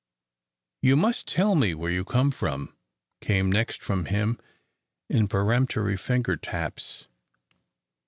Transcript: "You must tell me where you come from," came next from him in peremptory finger taps.